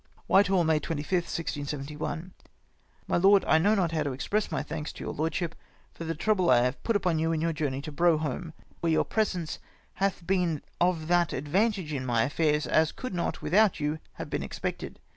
" ^Vliitehall, May 25, 1671. "My Loed, — I know not how to express my thanks to your lordship for the trouble I have put upon you in your journey to Branxholme, where yom* presence hath been of that advantage to my affairs, as could not, without you, have been expected.